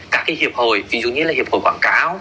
các cái hiệp hội ví dụ như là hiệp hội quảng cáo